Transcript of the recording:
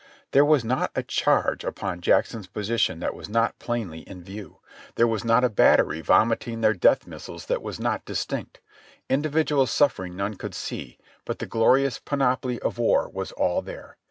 There was not a charge upon Jackson's position that was not plainly in view. There was not a battery vomiting their death missiles that was not distinct. Individual sufifering none could see, but the glorious panoply of war was all there.